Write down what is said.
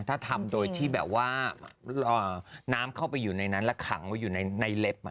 ถ้าทำโดยที่แบบว่าน้ำเข้าไปอยู่ในนั้นแล้วขังไว้อยู่ในเล็บ